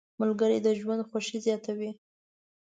ملګري د ژوند خوښي زیاته وي.